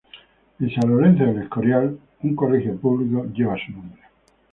En San Lorenzo de El Escorial, un colegio público lleva su nombre.